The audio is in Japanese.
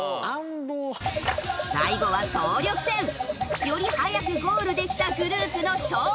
最後は総力戦！より速くゴールできたグループの勝利！